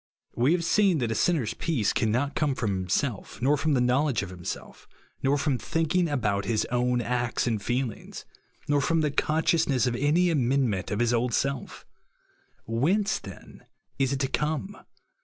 We have seeD iard a sinner's peace cannot come from liimsolf, nor from the know ledo^e of hirj^df nor from thinkinof about his own acts and feehngs, nor from the consciousness of any amendment of his old seE WTience, then, is it to come